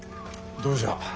どうじゃ？